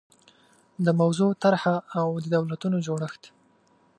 د موضوع طرحه او د دولتونو جوړښت